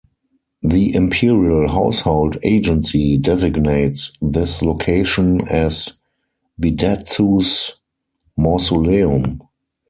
The Imperial Household Agency designates this location as Bidatsu's mausoleum.